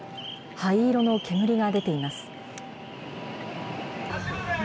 灰色の煙が出ています。